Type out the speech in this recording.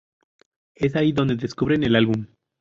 Es ahí donde descubren el álbum.